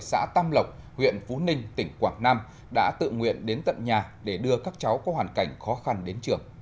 xã tam lộc huyện phú ninh tỉnh quảng nam đã tự nguyện đến tận nhà để đưa các cháu có hoàn cảnh khó khăn đến trường